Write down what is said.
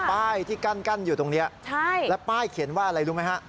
ป้ายที่กั้นอยู่ตรงนี้แล้วป้ายเขียนว่าอะไรรู้ไหมฮะ